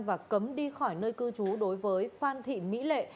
và cấm đi khỏi nơi cư trú đối với phan thị mỹ lệ